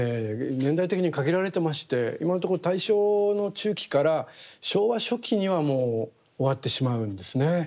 年代的に限られてまして今のところ大正の中期から昭和初期にはもう終わってしまうんですね。